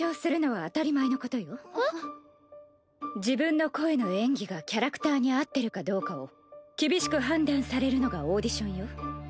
自分の声の演技がキャラクターに合ってるかどうかを厳しく判断されるのがオーディションよ。